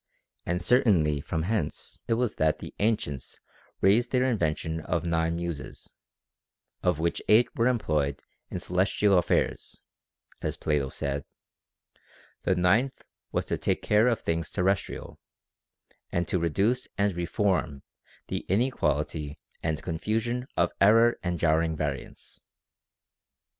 And certainly from hence it was that the ancients raised their invention of nine Muses ; of which eight were employed in celestial affairs, as Plato said ; the ninth was to take care of things terrestrial, and to reduce and reform the inequality and confusion of error and jarring variance.